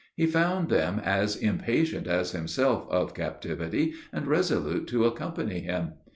He found them as impatient as himself of captivity, and resolute to accompany him.